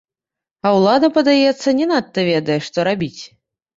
А ўлада, падаецца, не надта ведае, што рабіць.